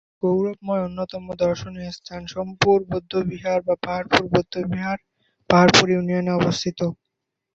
বাংলাদেশের গৌরবময় অন্যতম দর্শনীয় স্থান সোমপুর বৌদ্ধবিহার বা পাহাড়পুর বৌদ্ধবিহার, পাহাড়পুর ইউনিয়নে অবস্থিত।